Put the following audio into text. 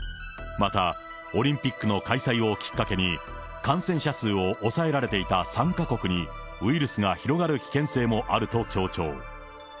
また、オリンピックの開催をきっかけに、感染者数を抑えられていた参加国に、ウイルスが広がる危険性もあると強調。